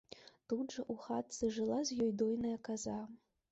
Тут жа ў хатцы жыла з ёю дойная каза.